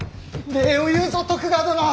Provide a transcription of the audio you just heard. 礼を言うぞ徳川殿！